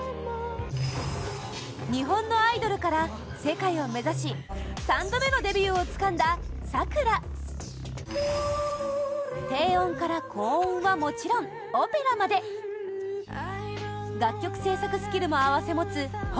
日本のアイドルから世界を目指し３度目のデビューをつかんだサクラ低音から高音はもちろんオペラまで楽曲制作スキルも併せ持つホ・